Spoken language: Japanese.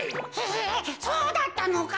えそうだったのか。